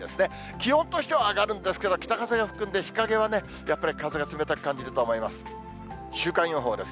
気温としては上がるんですけど、北風が吹くんで、日陰はやっぱり風が冷たく感じると思います。